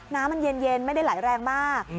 น้ำมันเย็นไม่ได้ไหลแรงมาก